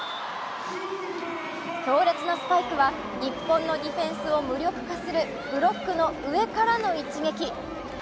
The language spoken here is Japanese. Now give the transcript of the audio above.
強烈なスパイクは日本のディフェンスを無力化するブロックの上からの一撃。